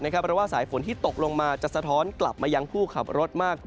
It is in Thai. เพราะว่าสายฝนที่ตกลงมาจะสะท้อนกลับมายังผู้ขับรถมาก